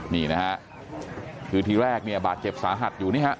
นี่นะฮะคือทีแรกเนี่ยบาดเจ็บสาหัสอยู่นี่ฮะ